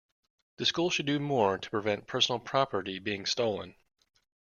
The school should do more to prevent personal property being stolen.